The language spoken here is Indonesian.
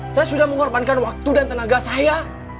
saya sudah mengorbankan waktu dan tenaga saya